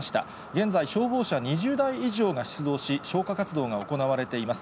現在、消防車２０台以上が出動し、消火活動が行われています。